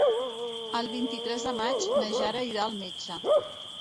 El vint-i-tres de maig na Jana irà al metge.